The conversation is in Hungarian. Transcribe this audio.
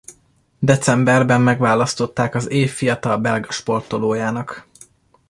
Decemberben megválasztották az év fiatal belga sportolójának.